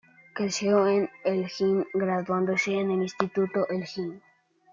Creció en Elgin, graduándose en el Instituto Elgin.